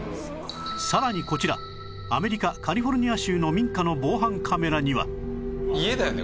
さらにこちらアメリカカリフォルニア州の民家の防犯カメラには家だよね？